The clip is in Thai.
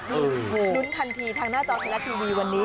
คุณทันทีทางหน้าจอเทลาทีวีวันนี้